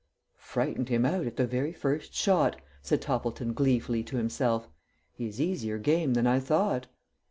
"Frightened him out at the very first shot!" said Toppleton gleefully to himself. "He is easier game than I thought."